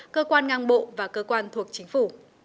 cơ quan ngang bộ và cơ quan thuộc chính phủ